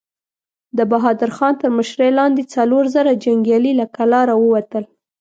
د بهادر خان تر مشرۍ لاندې څلور زره جنګيالي له کلا را ووتل.